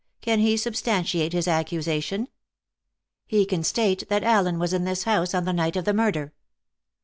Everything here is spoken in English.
Can he substantiate his accusation?" "He can state that Allen was in this house on the night of the murder."